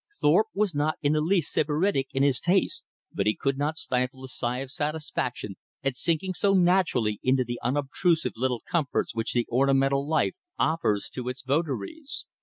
Thorpe was not in the least Sybaritic in his tastes, but he could not stifle a sigh of satisfaction at sinking so naturally into the unobtrusive little comforts which the ornamental life offers to its votaries.